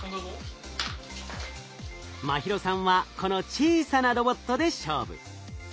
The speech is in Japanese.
茉尋さんはこの小さなロボットで勝負。